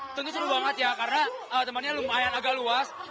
itu seru banget ya karena temannya lumayan agak luas